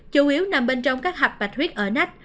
bằng bên trong các hạp bạch huyết ở nách